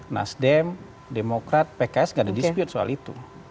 nasdem demokrat pks gak ada dispute soal itu